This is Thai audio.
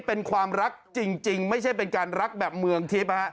เป็นความรักจริงไม่ใช่เป็นการรักแบบเมืองทิพย์